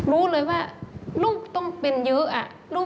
รู้เลยว่าลูกต้องเป็นเยอะ